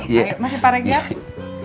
iya pak regar